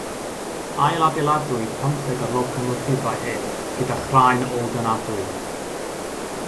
Ailadeiladwyd pymtheg o'r locomotifau hyn gyda chraen ôl-dynadwy.